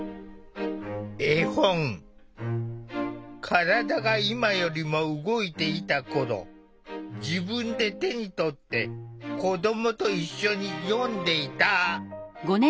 体が今よりも動いていた頃自分で手に取って子どもと一緒に読んでいた。